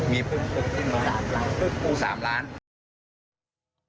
มี๓ล้านบาท